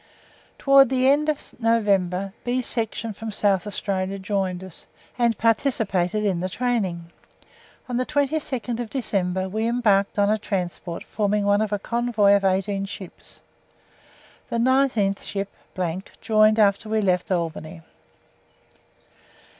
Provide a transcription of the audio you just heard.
Towards the end of November B Section from South Australia joined us, and participated in the training. On the 22nd December we embarked on a transport forming one of a convoy of eighteen ships. The nineteenth ship joined after we left Albany.